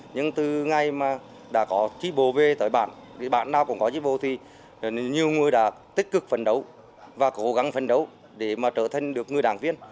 nhưng từ ngày mà đã có chi bộ về tới bản bản nào cũng có chi bộ thì nhiều người đã tích cực phấn đấu và cố gắng phấn đấu để mà trở thành được người đảng viên